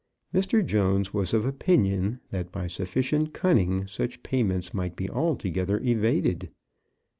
Mr. Jones was of opinion that by sufficient cunning such payments might be altogether evaded.